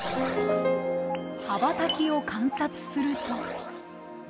羽ばたきを観察すると。